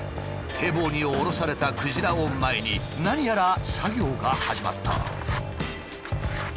堤防に下ろされたクジラを前に何やら作業が始まった。